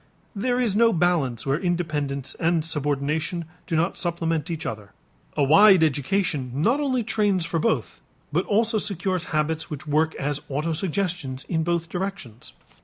There is no balance where independence and subordination do not supplement each other. A wide education not only trains for both but also secures habits which work as autosuggestions in both directions.